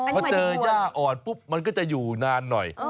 พอเจอย่าอ่อนปุ๊บมันก็จะอยู่นานหน่อย